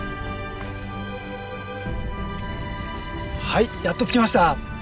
はいやっと着きました。